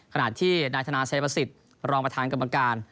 ขนาดที่นายธนาเสพสิทธิ์รองประธานกรรมการ